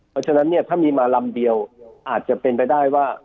เพราะฉะนั้นเนี่ยถ้ามีมาลำเดียวอาจจะเป็นไปได้ว่า